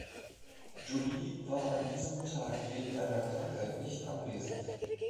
Julie war an diesem Tag wegen einer Krankheit nicht anwesend.